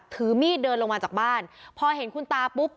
ถือมีดเดินลงมาจากบ้านพอเห็นคุณตาปุ๊บ